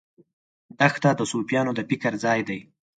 دښته د صوفیانو د فکر ځای دی.